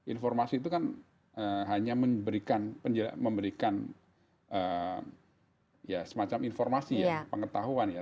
informasi itu kan hanya memberikan ya semacam informasi ya pengetahuan ya